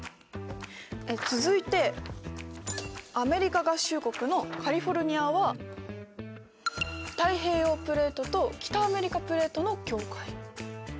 続いてアメリカ合衆国のカリフォルニアは太平洋プレートと北アメリカプレートの境界。